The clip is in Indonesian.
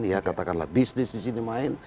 ya katakanlah bisnis disini main